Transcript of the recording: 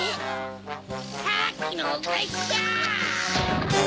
さっきのおかえしだ！